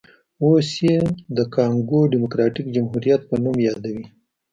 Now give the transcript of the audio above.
اوس یې د کانګو ډیموکراټیک جمهوریت په نوم یادوي.